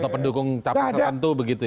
atau pendukung capai tertentu begitu ya